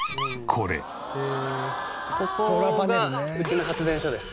ここがうちの発電所です。